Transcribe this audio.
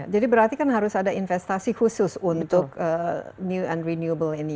jadi berarti kan harus ada investasi khusus untuk new and renewable ini